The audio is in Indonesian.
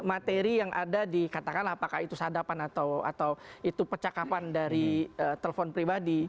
materi yang ada dikatakan apakah itu sadapan atau itu percakapan dari telepon pribadi